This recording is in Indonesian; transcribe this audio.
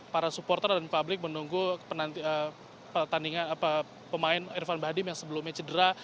para supporter dan publik menunggu pertandingan pemain irfan bahdim yang sebelumnya cedera